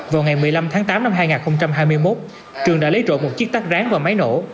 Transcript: vào ngày một mươi năm tháng tám năm hai nghìn hai mươi một trường đã lấy trộn một chiếc tắc rán và máy nổ